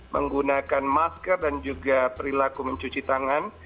menggunakan masker dan juga perilaku mencuci tangan